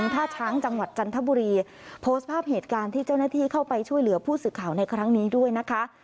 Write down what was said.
โปรดภาพเหตุการณ์ที่เจ้านัตรีเข้าไปช่วยเหลือผู้สื่อข่าวในครั้งนี้ด้วยนะคะ